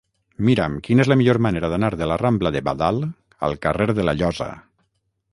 Mira'm quina és la millor manera d'anar de la rambla de Badal al carrer de la Llosa.